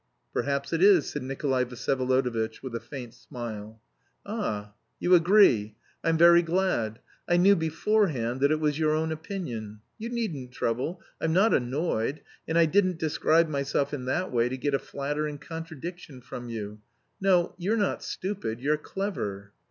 "Perhaps it is," said Nikolay Vsyevolodovitch, with a faint smile. "Ah, you agree I'm very glad; I knew beforehand that it was your own opinion.... You needn't trouble, I am not annoyed, and I didn't describe myself in that way to get a flattering contradiction from you no, you're not stupid, you're clever....